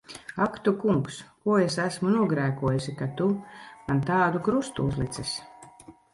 Ak tu Kungs! Ko es esmu nogrēkojusi, ka tu man tādu krustu uzlicis!